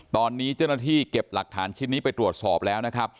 ตอนนี้เจ้าหน้าที่เก็บหลักฐานชิ้นนี้ไปตรวจสอบแล้วนะครับ